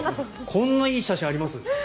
こんないい写真あります？